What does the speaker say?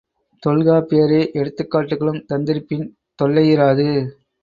தொல்காப்பியரே எடுத்துக்காட்டுகளும் தந்திருப்பின் தொல்லையிராது.